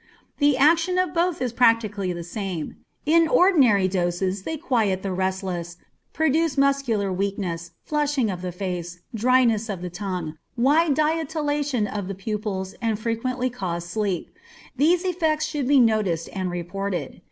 The action of both is practically the same. In ordinary doses they quiet restlessness, produce muscular weakness, flushing of the face, dryness of the tongue, wide dilatation of the pupils, and frequently cause sleep. These effects should be noticed and reported.